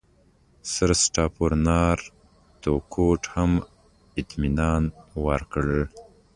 سرسټافورنارتکوټ هم اطمینان ورکړ.